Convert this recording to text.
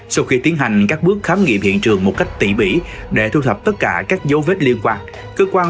sau khi tiến hành các bước khám nghiệm hiện trường một cách tỉ bỉ để thu thập tất cả các dấu vết liên quan